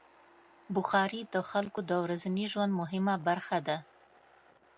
بخاري د خلکو د ورځني ژوند مهمه برخه ده.